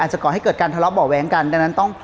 อาจจะก่อให้เกิดการทะเลาะเบาะแว้งกัน